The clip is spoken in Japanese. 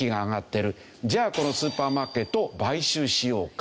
「じゃあこのスーパーマーケットを買収しようか」。